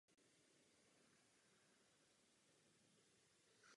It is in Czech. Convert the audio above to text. Na území Česka se správou povodí zabývá státní podnik Povodí Ohře závod Terezín.